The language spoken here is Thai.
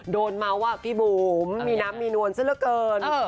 โดนเมาส์ว่าพี่บุ๋มมีน้ำมีนวลซะละเกิน